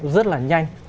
rất là nhanh